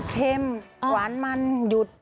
เค็มหวานมันหยุด